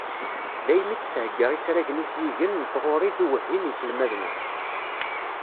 Daymi i d-thegga isragen uziggen n tɣuri d uwehhi n yiselmaden-a.